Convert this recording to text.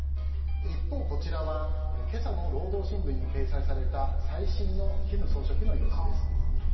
一方、こちらは今朝の労働新聞に掲載された最新の金総書記の様子です。